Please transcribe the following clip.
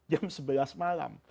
jam sebelas malam